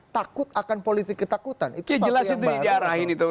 takut akan politik ketakutan